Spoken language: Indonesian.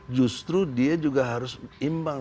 justru dia juga harus imbang